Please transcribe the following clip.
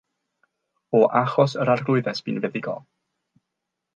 O achos yr arglwyddes bu'n fuddugol.